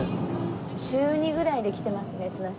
週２ぐらいで来てますね綱島。